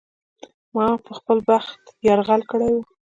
ما په خپل بخت یرغل کړی و.